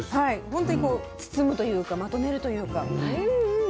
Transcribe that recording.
本当にこう包むというかまとめるというか。